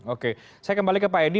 oke saya kembali ke pak edi